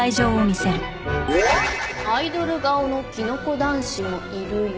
「アイドル顔のキノコ男子もいるよ」